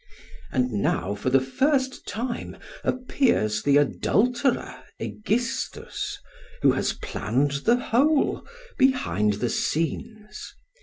And now for the first time appears the adulterer Aegisthus, who has planned the whole behind the scenes.